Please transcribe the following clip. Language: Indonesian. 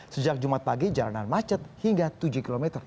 sejak jumat pagi jalanan macet hingga tujuh km